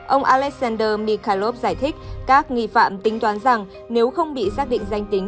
ông alexander mikhalov giải thích các nghi phạm tính toán rằng nếu không bị xác định danh tính